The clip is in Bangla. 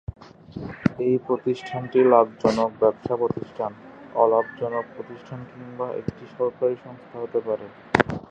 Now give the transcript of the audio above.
এই প্রতিষ্ঠানটি লাভজনক ব্যবসা-প্রতিষ্ঠান, অলাভজনক প্রতিষ্ঠান কিংবা একটি সরকারী সংস্থা হতে পারে।